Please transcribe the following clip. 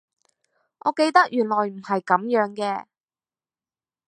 我記得原來唔係噉樣嘅